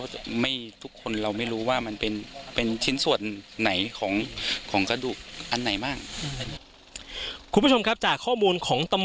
ตำรวจพบว่ามีการสร้างแผนกันมากกว่าที่ต้องทำงานออกมากก็ไม่ใช่สำคัญนะครับ